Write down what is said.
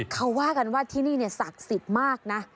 เขาว่ากันว่าที่นี่ศักดิ์สิทธิ์มากนะ